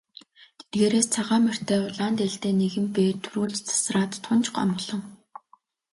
Тэдгээрээс цагаан морьтой улаан дээлтэй нэгэн бээр түрүүлж тасраад тун ч омголон.